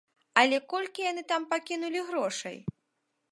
Але колькі яны там пакінулі грошай?